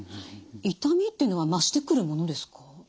痛みっていうのは増してくるものですか？